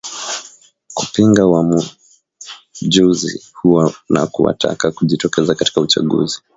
kupinga uwamjuzi huo na kuwataka kujitokeza katika uchaguzi